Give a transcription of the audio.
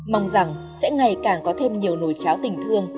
mong rằng sẽ ngày càng có thêm nhiều nồi cháo tình thương